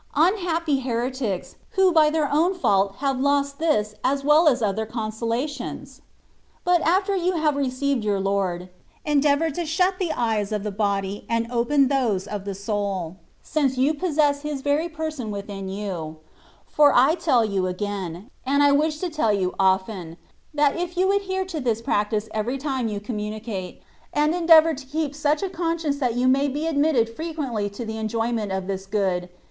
Unhappy heretics, who by their own fault have lost this as well as other consolations.* But after you have received your Lord, endea vour to shut the eyes of the body and open those of the soul, since you possess His very Person within you ; for I tell you again (and I wish to tell you often), that if you adhere to this practice every time you communicate, and endeavour to keep such a conscience that you may be admitted frequently to the enjoyment of this good.